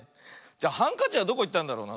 じゃハンカチはどこいったんだろうな。